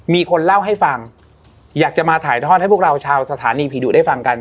มีคนเล่าให้ฟังอยากจะมาถ่ายทอดให้พวกเราชาวสถานีผีดุได้ฟังกัน